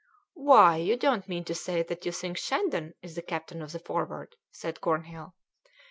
"Why, you don't mean to say that you think Shandon is the captain of the Forward?" said Cornhill.